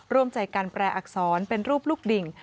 ร่วมใจการแปลอักษรเป็นรูปลูกดิ่ง